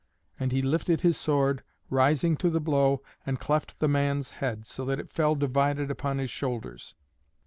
And he lifted his sword, rising to the blow, and cleft the man's head, so that it fell divided upon his shoulders.